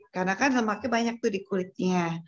karena kan lemaknya banyak tuh di kulitnya